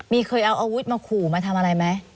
มีเคยเอาอาวุธมาขู่มาทำอะไรไหม